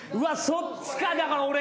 そっちかだから俺。